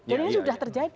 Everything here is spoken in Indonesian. dan ini sudah terjadi